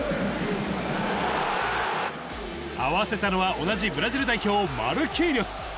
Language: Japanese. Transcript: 合わせたのは同じブラジル代表、マルキーニョス。